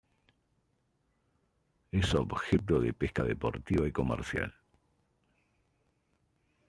Es objeto de pesca deportiva y comercial.